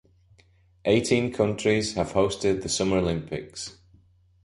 Eighteen countries have hosted the Summer Olympics.